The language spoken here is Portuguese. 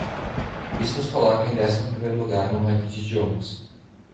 Isso nos coloca em décimo primeiro lugar no ranking de idiomas.